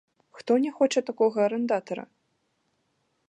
Хто не хоча такога арандатара?